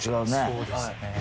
そうですね。